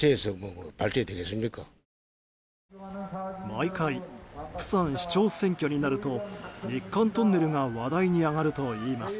毎回、釜山市長選挙になると日韓トンネルが話題に上がるといいます。